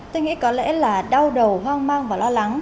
tôi nghĩ có lẽ là đau đầu hoang mang và lo lắng